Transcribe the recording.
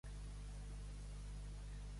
L'amor és més fort que la mort.